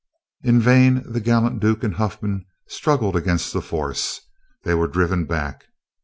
In vain the gallant Duke and Huffman struggled against that force. They were driven back.